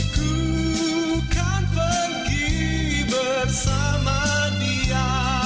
ku kan pergi bersamanya